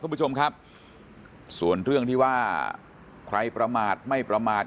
คุณผู้ชมครับส่วนเรื่องที่ว่าใครประมาทไม่ประมาท